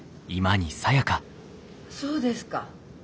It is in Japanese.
そうですか。